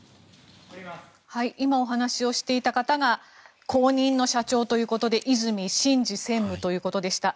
今、お話をしていた方が後任の社長ということで和泉伸二専務ということでした。